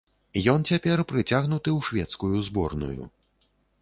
Ён цяпер прыцягнуты ў шведскую зборную.